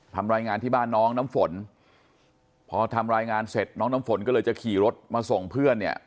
ทำรายงานที่บ้านน้องน้ำฝนพอทำรายงานเสร็จน้องน้ำฝนก็เลยจะขี่รถมาส่งเพื่อนเนี่ย